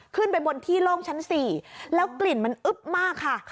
ขึ้นไปบนที่โล่งชั้น๔แล้วกลิ่นมันอึ๊บมากค่ะ